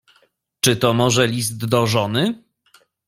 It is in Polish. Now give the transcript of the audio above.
"Czy to może list do żony?"